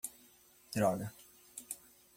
Droga!